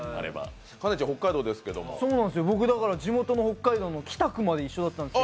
僕、地元の北海道の北区まで一緒だったんですよ。